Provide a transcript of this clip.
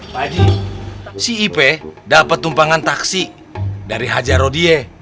pak haji si ipe dapet tumpangan taksi dari haja rodie